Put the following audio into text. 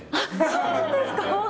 そうなんですか。